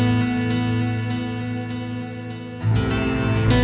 oke sampai jumpa